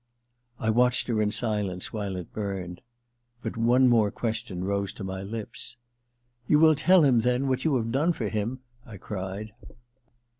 I watched her in silence while it burned ; but one more question rose to my lips. * You will tell himy then, what you have done for him ?* I cried.